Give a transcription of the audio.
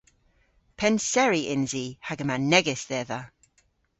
Pennseri yns i hag yma negys dhedha.